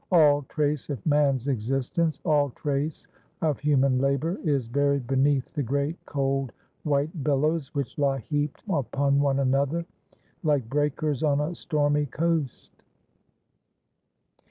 All trace of man's existence all trace of human labour is buried beneath the great cold white billows, which lie heaped upon one another, like breakers on a stormy coast.